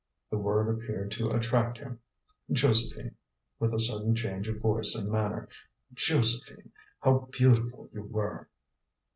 The word appeared to attract him. "Josephine," with a sudden change of voice and manner, "Josephine, how beautiful you were!"